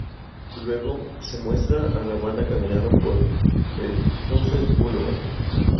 Luego, se muestra a la banda caminando por el Sunset Boulevard.